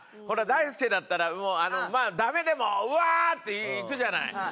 ほら大輔だったらもうまぁ駄目でもうわぁ！っていくじゃない。